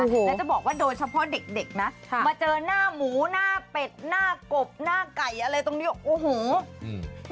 ผู้บอกว่าโดยเฉพาะเด็กนะมาเจอหน้าหมูหน้าเป็ดหน้ากบหน้าไก่อะไรตรงนี้